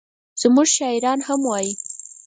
زموږ شاعران هم وایي.